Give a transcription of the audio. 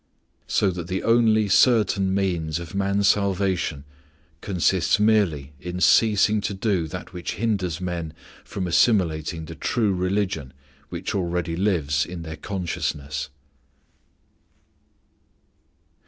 So that the only certain means of man's salvation consists merely in ceasing to do that which hinders men from assimilating the true religion which already lives in their consciousness.